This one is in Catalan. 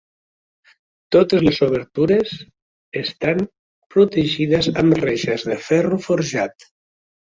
Totes les obertures estan protegides amb reixes de ferro forjat.